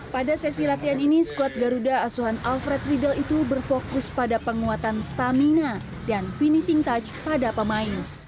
pada sesi latihan ini skuad garuda asuhan alfred riedel itu berfokus pada penguatan stamina dan finishing touch pada pemain